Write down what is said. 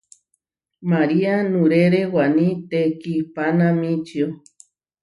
María nuʼrére Waní tekihpanamíčio.